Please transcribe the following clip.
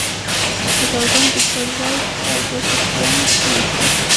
هزاره ګانو د څړ ځای په سر دوه کوچیان وويشتل